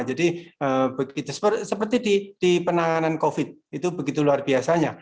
begitu seperti di penanganan covid itu begitu luar biasanya